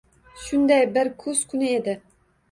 Shunday bir kuz kuni edi.